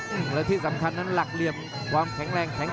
อื้อหือจังหวะขวางแล้วพยายามจะเล่นงานด้วยซอกแต่วงใน